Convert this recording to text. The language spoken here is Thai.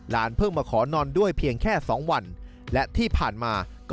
ไม่ค่อยเล่าอะไรให้ใครฟัง